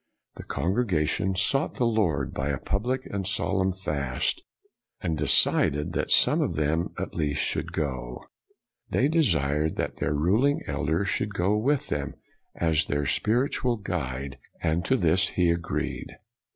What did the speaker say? The congregation " sought the Lord by a public and solemn fast," and decided that some of them, at least, should go. They desired 204 BREWSTER that their ruling elder should go with them as their spiritual guide, and to this he agreed.